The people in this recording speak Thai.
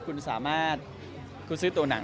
คุณสามารถคุณซื้อตัวหนัง